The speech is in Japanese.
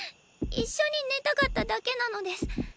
一緒に寝たかっただけなのです。